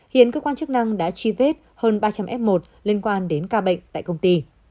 hiện cơ quan chức năng đã truy vết hơn ba trăm linh f một liên quan đến ca bệnh tại công ty